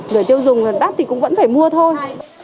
người tiêu dùng đắt thì cũng vẫn phải mua thôi